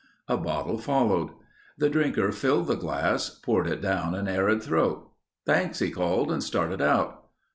A bottle followed. The drinker filled the glass, poured it down an arid throat. "Thanks," he called and started out.